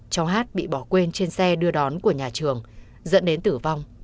cháu hát bị bỏ quên trên xe đưa đón của nhà trường dẫn đến tử vong